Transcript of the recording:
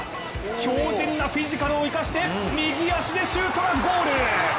強じんなフィジカルを生かして右足でゴール。